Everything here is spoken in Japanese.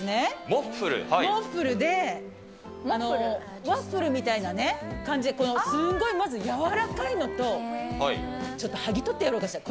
モッフルで、ワッフルみたいな感じで、すごいやわらかいのと、ちょっとはぎ取ってやろうかしら。